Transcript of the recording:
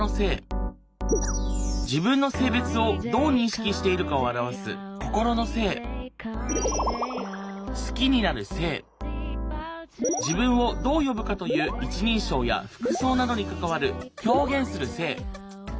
自分の性別をどう認識しているかを表す心の性好きになる性自分をどう呼ぶかという一人称や服装などに関わる表現する性。